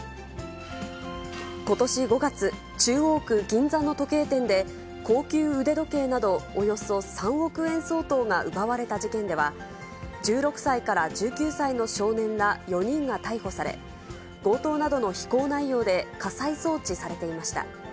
ことし５月、中央区銀座の時計店で、高級腕時計などおよそ３億円相当が奪われた事件では、１６歳から１９歳の少年ら４人が逮捕され、強盗などの非行内容で、家裁送致されていました。